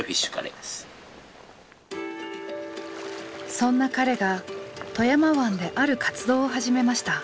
そんな彼が富山湾である活動を始めました。